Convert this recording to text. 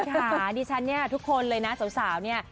ค่ะดิฉันเนี่ยทุกคนเลยนะสาวเนี่ย